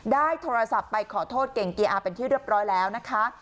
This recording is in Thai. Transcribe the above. ได้โทรศัพท์ไปขอโทษเก่งเกียร์อาเป็นที่เรียบร้อยแล้วนะคะ